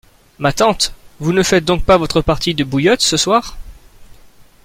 Ma tante, vous ne faites donc pas votre partie de bouillotte ce soir ?